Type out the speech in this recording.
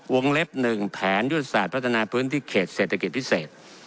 เล็บ๑แผนยุทธศาสตร์พัฒนาพื้นที่เขตเศรษฐกิจพิเศษ